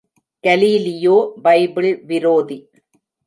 Galileo Bible விரோதி!